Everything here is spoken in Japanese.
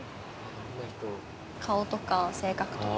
顔とか性格とか。